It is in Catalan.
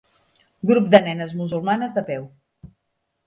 Grup de nenes musulmanes de peu.